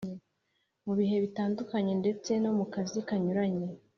mu bihe bitandukanye ndetse no mu kazi kanyuranye.